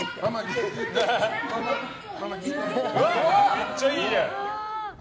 めっちゃいいじゃん！